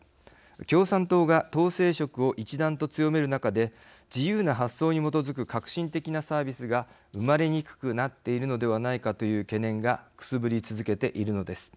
共産党が統制色を一段と強める中で自由な発想に基づく革新的なサービスが生まれにくくなっているのではないかという懸念がくすぶり続けているのです。